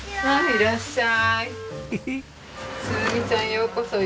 いらっしゃい。